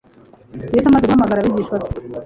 Yesu amaze guhamagara abigishwa be,